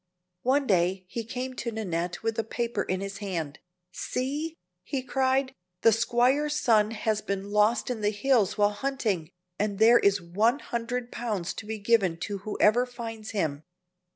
One day he came to Nannette with a paper in his hand. "See!" he cried, "the squire's son has been lost in the hills while hunting, and there is one hundred pounds to be given to whoever finds him.